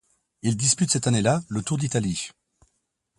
Il dispute cette année-là le Tour d'Italie.